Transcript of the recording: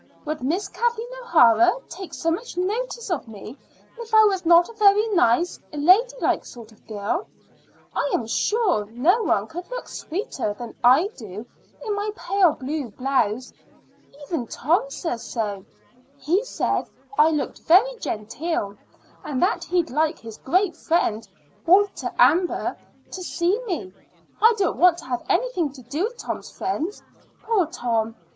Would Miss Kathleen O'Hara take so much notice of me if I was not a very nice, lady like sort of a girl? I am sure no one could look sweeter than I do in my pale blue blouse. Even Tom says so. He said I looked very genteel, and that he'd like his great friend, Walter Amber, to see me. I don't want to have anything to do with Tom's friends. Poor Tom!